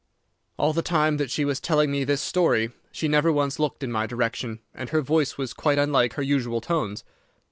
"All the time that she was telling me this story she never once looked in my direction, and her voice was quite unlike her usual tones.